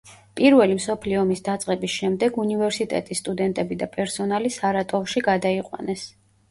პირველი მსოფლიო ომის დაწყების შემდეგ უნივერსიტეტის სტუდენტები და პერსონალი სარატოვში გადაიყვანეს.